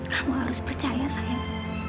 kamu harus percaya sayang